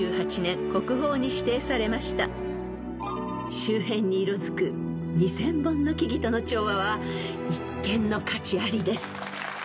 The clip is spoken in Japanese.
［周辺に色づく２，０００本の木々との調和は一見の価値ありです］